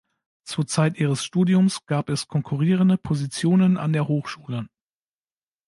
Zur Zeit ihres Studiums gab es konkurrierende Positionen an der Hochschule.